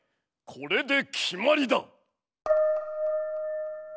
これで決まりだ！